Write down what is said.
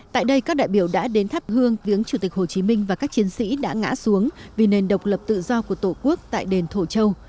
tại đây các đại biểu đã đến thắp hương tiếng chủ tịch hồ chí minh và các chiến sĩ đã ngã xuống vì nền độc lập tự do của tổ quốc tại đền thổ châu